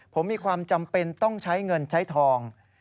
ผมมีความจำเป็นต้องใช้เงินใช้ทอง